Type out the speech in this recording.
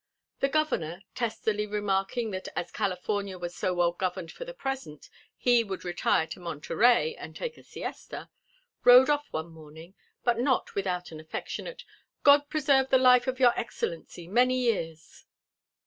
The Governor, testily remarking that as California was so well governed for the present he would retire to Monterey and take a siesta, rode off one morning, but not without an affectionate: "God preserve the life of your excellency many years."